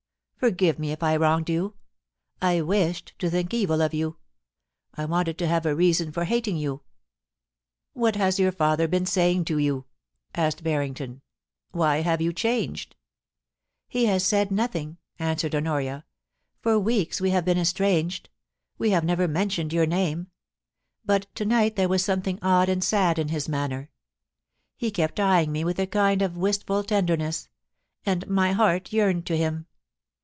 Forgive me if I wronged you. I wisJud to think evil of you. I wanted to have a reason for hating you.' * What has your father been saying to you P asked Barring ton. * Why have you changed P ' He has said nothing,' answered Honoria. * For weeks IN PERIL. 343 we have been estranged ; we have never mentioned your name. But to night there was something odd and sad in his manner. He kept eyeing me with a kind of wistftil tenderness ; and my heart yearned to him.